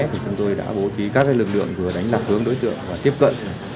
thì chúng tôi đã bố trí các lực lượng vừa đánh lạc hướng đối tượng và tiếp cận